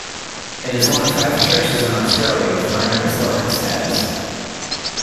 It is one of five churches in Australia with minor basilica status.